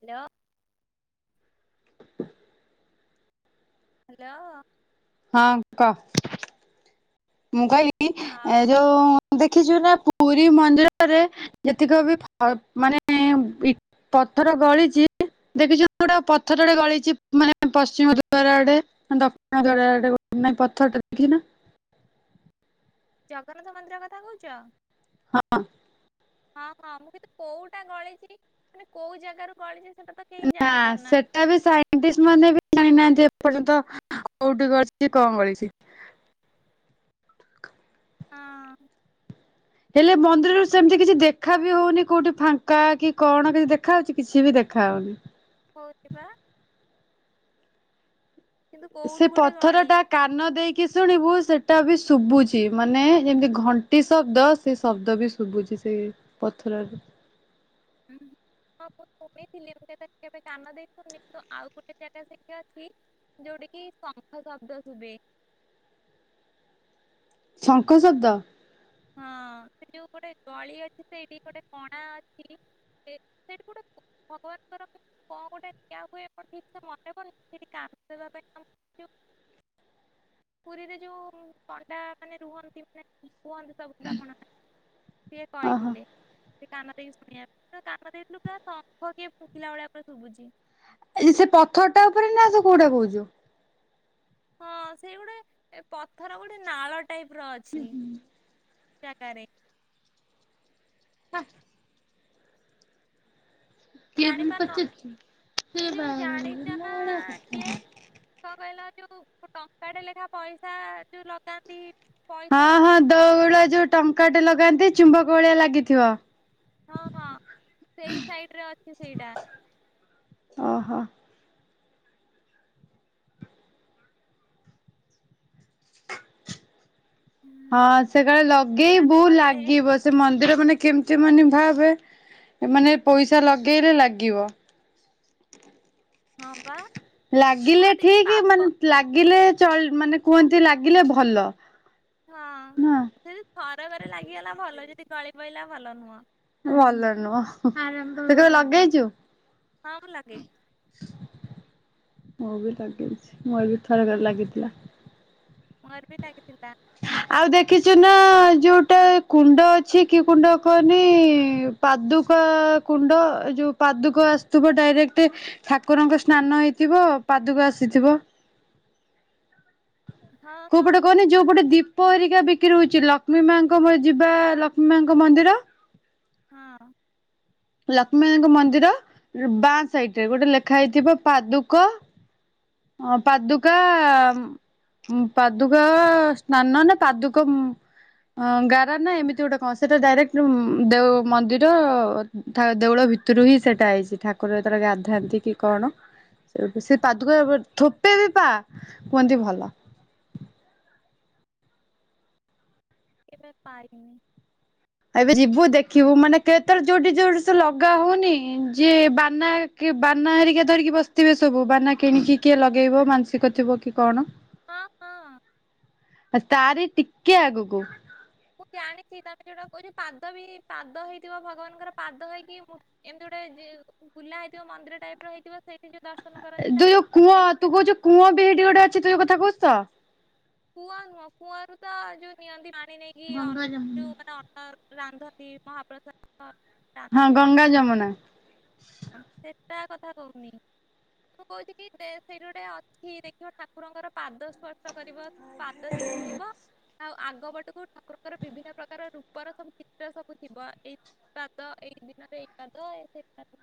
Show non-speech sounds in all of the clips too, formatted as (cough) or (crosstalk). Hello. Hello. ହଁ କ। ମୁଁ କହିବି ଆଉ ଏ ଯୋଉ ଦେଖିଛୁ ନା ପୁରୀ ମନ୍ଦିରରେ ଯେତିକ ବି ମାନେ (unintelligible) ପଥର ଗଳିଚି। ଦେଖିଛୁ (unintelligible) ପଥରଟେ ଗଳିଛି ମାନେ ପଶ୍ଚିମ ଦ୍ୱାର ଆଡେ ଦକ୍ଷିଣ ଦ୍ୱାର ଆଡେ ନାଇଁ ପଥରଟା ଦେଖିନି। ଜଗନ୍ନାଥ ମନ୍ଦିର କଥା କହୁଛ। ହଁ। ହଁ ହଁ ମୁଁ କିନ୍ତୁ କୋଉଟା ଗଳିଛି ମାନେ କୋଉ ଜାଗାରୁ ଗଳିଛି ସେ ନା ସେଟା ବି ସାଇଣ୍ଟିସ୍ ମାନେ ବି ଜାଣିନାହାନ୍ତି ଏ ପର୍ଯ୍ୟନ୍ତ କୋଉଠି (unintelligible) ଳୀଛି କଣ ଗଳିଛି। ହଁ। ହେଲେ ମନ୍ଦିରରୁ ସେମିତି କିଛି ଦେଖା ବି ହଉନି କୋଉଠି ଫାଙ୍କା କି କଣ କିଛି ଦେଖା ହଉଛି କିଛି ବି ଦେଖା ଖାାଉନି। ହଉଥିବ। ସେ ଗୋଟେ ପଥର ଗଳିଛି। ଟା କାନ ଦେଇକ କି ଶୁଣିବୁ ସେଟା ବି ଶୁବୁଛି ମାନେ ଯେମତି ଘଣ୍ଟି ଶବ୍ଦ ସେ ଶବ୍ଦ ବି ଶୁଭୁଛି। ସେ ପଥରର। (inaudible) ମୁଁ ଶୁଣିଥିଲି ମୁଁ କେବେ କେବେ କାନ ଦେଇକି ସୁଣିନି କିନ୍ତୁ ଆଉ ଗୋଟେ ଜାଗା ସେଇଠି ଅଛି ଯୋଉଠିି କି ଶଙ୍ଖ ଶବ୍ଦ ଶୁଭେ। ଶଙ୍ଖ ଶବ୍ଦ। ହଁ ସେ ଯୋଉ ଗୋଟେ ଗଳି ଅଛି। ସେଇଠି ଗୋଟେ କଣା ଅଛି। ସେଠି ଗୋଟେ ଭଗବାନଙ୍କର କଣ ଗୋଟେ ଜ ହୁଏ ଆଣ ଠିକ ସେ ମନେବନି ସେଠି କ ଦେବା ପାଇଁ ତାଙ୍କୁ ଯୋଉ ପୁରୀରେ ଯୋଉ ପଣ୍ଡା ମାନେ ରୁହନ୍ତି ମାନେ କୁହନ୍ତୁ ସବୁଠୁରା ଆପଣ ସିଏ ଓହୋ କହିଥିଲେ। କାନ ଦେଇକି ଶୁଣିବା ତ କାନ ଦେଇଥିଲୁ ପୁରା ଶଙ୍ଖ କିଏ ଫୁଖିଲା ଭଳିଆ ପୁରା ଶୁଭୁଛି। ଏଇ ସେ ପଥରଟା ଉପରେନା ତୁ କୋଉଟା କହୁଛୁ। ହଁ ସେଇଗୋଟେ ପଥର ଗୋଟେ ନାଳ ହୁଁ ହୁଁ। ଚା (inaudible) ହା। ଜାଣିପାରୁନ ଏଇ ଯୋଉ ଜାଣିଚନା କିଏ? କଣ କହିଲ ଯୋଉ ଟଙ୍କାଟେଲେଖା ପଇସା ଯୋଉ ଲଗାନ୍ତି। ହଁ ପଇସା ହଁ ଗୋଟେ କାନ୍ଥରେ ଦୋଉଳରେ ଯୋଉ ଟଙ୍କାଟେ ଲଗାନ୍ତି ଚୁମ୍ବକ ଭଳିଆ ଲାଗିଥିବ। ହଁ ହଁ ସେଇ ସାଇଟିରେ ଅଛି ସେଇଟା ଓହୋ। ହୁଁ ହଁ ସେ କାଳେ କେବେ ଆମେ ଲଗେଇବୁ ଗଲେ ଲାଗିବ ସେ ମନ୍ଦିର ମାନେ କେମିତିମାନେ ଭାବେ ମାନେ ପଇସା ଲଗେଇଲେ ଲାଗିବ। ହଁ ପା ଲାଗିଲେ ଠିକ୍ ମାନେ ଲାଗିଲେ ଚଳ ମାନେ କୁହନ୍ତି ଲାଗିଲେ ଭଲ ହଁ ନା ଯଦି ଥରକରେ ଲାଗିଗଲା ଭଲ ଯଦି ଗଳିପଇଲା ଭଲ ନୁହଁ। ଭଲ ନୁହଁ ହୁଁ ତୁକେବେ ଲଗେଇଛୁ। ହଁ ମୁଁ ଲଗେଇଛି। ମୁଁ ବି ଲଗେଇଛି ମୋରବି ଥରକରେ ଲାଗିଥିଲା। ମୋରଵି ଲାଗିଥିଲା। ଚୁନାଉ ଯଉଟା କୁଣ୍ଡ ଅଛି କି କୁଣ୍ଡ କୁହନି ପାଦୁକା କୁଣ୍ଡ। ଯୋଉ ପାଦୁକ ଆସୁଥିବ ଡାଇରେକ୍ଟ ଠାକୁରଙ୍କ ସ୍ନାନ ହେଇଥିବ ପାଦୁକ ଆସିଥିବ। (unintelligible) ହଁ କଉପଟେ କୁହନି ଯୋଉପଟେ ଦୀପହେରିକା ବିକ୍ରି ହଉଚି ଲକ୍ଷ୍ମୀ ମାଙ୍କ କଉପଟେ ହଁ ଯିବା ହଁ ଲକ୍ଷ୍ମୀ ମାଙ୍କ ମନ୍ଦିର। ହଁ। ଲକ୍ଷ୍ମୀମାଙ୍କ ମନ୍ଦିର ବାଆଁ ସାଇଟିରେ ଗୋଟେ ଲେଖା ହେଇଥିବ ପାଦୁକ ଅ ପାଦୁକା ମ ପାଦୁକା ସ୍ନାନ ନା ପାଦୁକମ ଗାରା ନା ଏମିତି ଗୋଟେ କଣ ସେଟା ଡାଇରେକ୍ଟ ମ ଦେଓ ମନ୍ଦିର ଥା ଦେଉଳଭି ଭିତରୁ ହି ସେଟାଆଇଚି ଠାକୁର ଯେତବେଳେ ଗାଧାନ୍ତି କି କଣ ସେ ପାଦୁକା ଥୋପେ ବି ପା କୁହନ୍ତି ଭଲ। କେବେ ପାଇନି। ଏବେ ଯିବୁ ଦେଖିବୁ ମାନେ କେତଳେ ଯଉଠି ଯଉଠି ସେ ଲଗା ହଉନି ଯିଏ ବାନା ବାନା ହେରିକା ଧରିକି ବସିଥିବେସବୁ ବାନା କିଣିକି କିଏ ଲଗେଇବ ମାନସିକ ଥିବ କି କଣ? ହଁ ହଁ। ତାରି ଟିକେ ଆଗୁକୁ। ମୁଁ ଜାଣିଛି ତମେ ଯୋଉଟା କଉଚ ପାଦବି ପାଦ ହେଇଥିବ ଭଗବାନଙ୍କର ପାଦ ହେଇକି ଏମିତି ଗୋଟେ ଜି ବୁଲା ହେଇଥିବ ମନ୍ଦିର ଟାଇପ୍ ର ହେଇଥିବ। ସେଇଠି ଯୋଉ ଦର୍ଶନ କରନ୍ତି ତା ତୁ ଯୋଉ କୂଅ ମେସେ ତୁ କଉଚୁ କୂଅବି ହେଠି ଗୋଟେ ଅଛି ତୁ ଯୋଉ କଥା କହୁଛୁତ? କୂଅ ନୁହଁ କୂଅରୁତ ଯୋଉ ନିଅନ୍ତି ପାଣି ନେଇକି ଅନ ଯୋଉ ମାନେ ଅନ୍ନ ରାନ୍ଧନ୍ତି ମହାପ୍ରସାଦ। ହଁ ରାନ୍ଧନ୍ତି ଗଙ୍ଗା ଯମୁନା। ତା କଥା କହୁନି। ମୁଁ କହୁଛିକି ଦେ ସେଇଠି ଗୋଟେ ଅଛି ଦେଖିବ ଠାକୁରଙ୍କର ପାଦ ସ୍ପର୍ଶ କରିବ। ପାଦ ଥିବ ଆଉ ଆଗ ପଟକୁ ଠାକୁରଙ୍କର ବିଭିନ୍ନ ପ୍ରକାର ରୂପର ସବୁ ଚିତ୍ର ସବୁଥିବ ଏଇ ପାଦ ଏ ଏ ଦିନରେ ଏଇପାଦ ଏ ସେ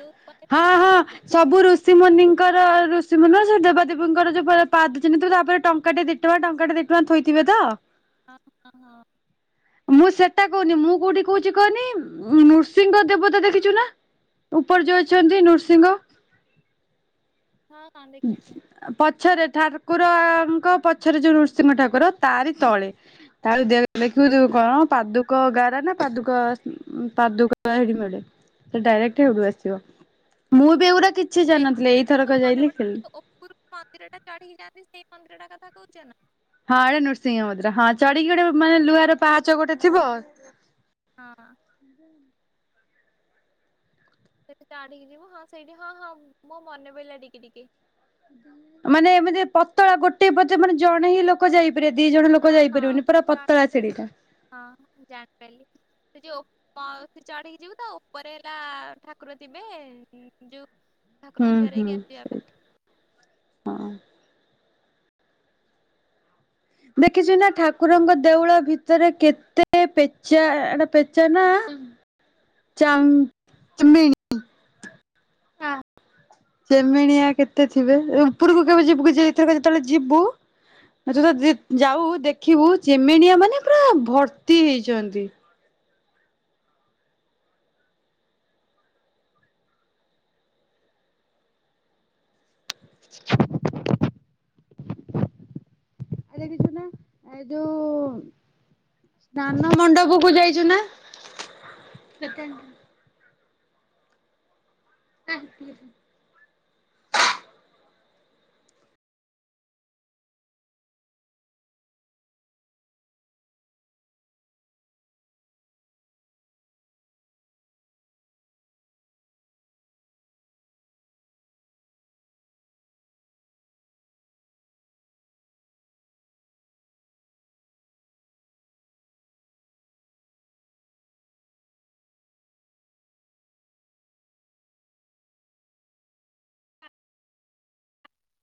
ଯୋଉ ଉପରେ ହଁ ସେ ହଁ ପାଦ ଥିବ। ସବୁ ଋଷିମୁନିଙ୍କର ଋଷିମୁନି ନୁହଁ ସେଠି ଦେବା ଦେବି ଦେବୀଙ୍କର ଯୋଉ ପାଦଚିହ୍ନଥିବ ତାପରେ ଟଙ୍କାଟେ ଦିଟଙ୍କା ଟଙ୍କାଟେ ଦିଟଙ୍କା ଥୋଇଥିବେତ? ହଁ ହଁ ହଁ। ମୁଁ ସେଟା କହୁନି ମୁଁ କୋଉଠି କହୁଛି କହନି ନୃସିଂହ ଦେବତା ଦେଖିଛୁ ନା? ଉପର ହୁଁ, ଯଉ ଅଛନ୍ତି ନୃସିଂହ। ହଁ ହଁ ଦେଖିଛି। ପଛରେ ଠାକୁର ଙ୍କ ପଛରେ ଯୋଉ ନୃସିଂହ ଠାକୁର ତାରି ତଳେ ତା ଦେ କଣ ପାଦୁକ ଗାରା ନା ପାଦୁକ ପାଦୁକ ସେଠି ମିଳେ। ସେ ଡାଇରେକ୍ଟ କେବେଠୁ ଆସିବ ମୁଁ ବି ଏଗୁଡା ଦେଖିବି ମୋର ମନେ ପଡଛି ଉପର ମନ୍ଦିର ଟା ଚଢି ଯାଆନ୍ତି ସେଇ ମନ୍ଦିର ଟା କଥା ଥା କହୁଛ ନା? ହଁ ଏଟା ନୃସିଂହ ମନ୍ଦିର ହଁ ଚଢିକି ଗୋଟେ ମାନେ ଲୁହାର ପାହାଚ ଗୋଟେ ଥିବ। ହଁ। ସେଠି ଚାଡିକି ଯିବୁ ହଁ ସେଇଠି ହଁ ହଁ ମୋ ମନେ ପଡିଲା ଟିକେ ଟିକେ। ମାନେ ଏମିତି ପତଳା ଗୋଟେ ପେ ମାନେ ଜଣେ ହିଁ ଲୋକ ଯାଇ ହଁ ହଁ ସିଡିଟା। ହଁ ଜାଣିପାରିଲି। ସେ ଯୋଉ ସେ ଚଢିକି ଯିବୁ ତା ଉପରେ ହେଲା ଠାକୁର ଥିବେ ଯୋଉ ଠାକୁରଙ୍କୁ ହୁଁ ଜୁହାର ହୁଁ ହେଇକି ଆସିବା ପାଇଁ ହଁ ଦେଖିଛୁ ନା ଠାକୁରଙ୍କ ଦେଉଳ ଭିତରେ କେତେ ପେଚା ଏଟା ପେଚା ନା (inaudible) ଚାମ୍ ମିନ। ଚେମେଣିଆ କେତେ ଥିବେ ଏଇ ଉପରକୁ କେବେ ଯିବୁ କି ଯେତେବେଳେ ଯିବୁ ଆ ତ ଯାଉ ଦେଖିବୁ ଚମେଣିଆ ମାନେ ପୁରା ଭର୍ତ୍ତି ହେଇଛନ୍ତି। (inaudible) ଆରେ ଏଇ ଯୁନା ଏ ଯଉ ସ୍ନାନ ମଣ୍ଡପ କୁ ଯାଇଛୁ ନା ସେକେଣ୍ଡ୍ (unintelligible)